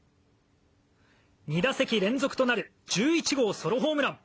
２打席連続となる１１号ソロホームラン。